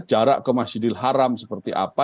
jarak ke masjidil haram seperti apa